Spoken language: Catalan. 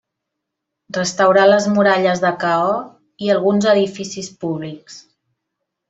Restaurà les muralles de Cahors i alguns edificis públics.